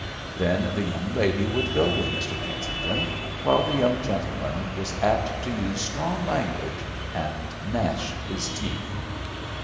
Then the young lady would go with Mr. Kensington, while the young gentleman was apt to use strong language and gnash his teeth.